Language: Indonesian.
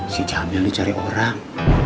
si jamil nih cari orang